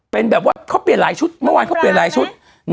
เป็นแบบว่าเขาเปลี่ยนหลายชุดเมื่อวานเขาเปลี่ยนหลายชุด